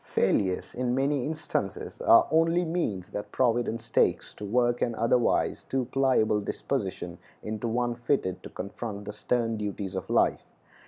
Failures in many instances are only means that Providence takes to work an otherwise too pliable disposition into one fitted to confront the stern duties of life.